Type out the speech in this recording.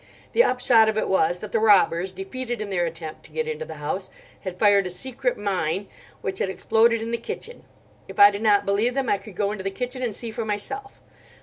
The upshot of it was that the robbers, defeated in their attempt to get into the house, had fired a secret mine, which had exploded in the kitchen. If I did not believe them I could go into the kitchen and see for myself.